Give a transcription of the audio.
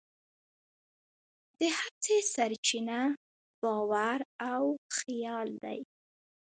د هڅې سرچینه باور او خیال دی.